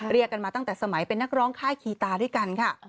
เรียกกันมาตั้งแต่สมัยเป็นนักร้องค่ายคีตาด้วยกันค่ะ